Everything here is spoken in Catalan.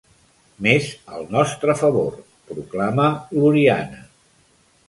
Més al nostre favor —proclama l'Oriana—.